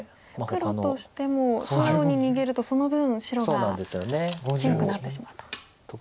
黒としても素直に逃げるとその分白が強くなってしまうと。